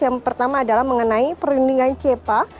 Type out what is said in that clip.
yang pertama adalah mengenai perundingan cepa